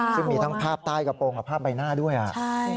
ซึ่งมีทั้งภาพใต้กระโปรงกับภาพใบหน้าด้วย